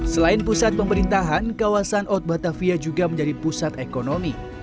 selain pusat pemerintahan kawasan otbatavia juga menjadi pusat ekonomi